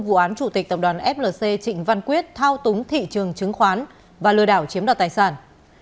vụ án chủ tịch tập đoàn flc trịnh văn quyết thao túng thị trường chứng khoán và lừa đảo chiếm đoạt tài sản